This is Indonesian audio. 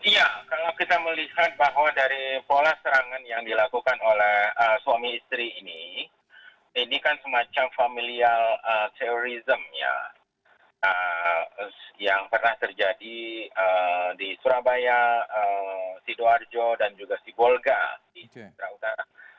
iya kalau kita melihat bahwa dari pola serangan yang dilakukan oleh suami istri ini ini kan semacam familial terorisme ya yang pernah terjadi di surabaya sidoarjo dan juga sibolga di utara